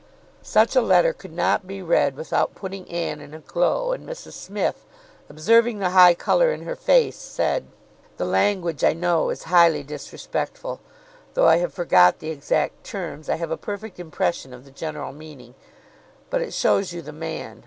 Such a letter could not be read without putting Anne in a glow; and Mrs Smith, observing the high colour in her face, said— "The language, I know, is highly disrespectful. Though I have forgot the exact terms, I have a perfect impression of the general meaning. But it shows you the man.